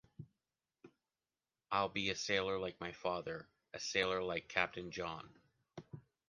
I'll be a sailor like my father, a sailor like Captain John!